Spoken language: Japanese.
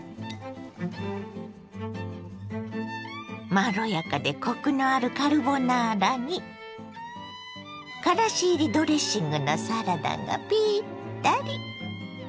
まろやかでコクのあるカルボナーラにからし入りドレッシングのサラダがピッタリ。